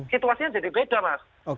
situasinya jadi beda mas